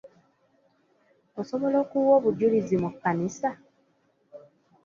Osobola okuwa obujulizi mu kkanisa?